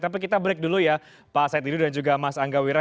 tapi kita break dulu ya pak said didu dan juga mas angga wira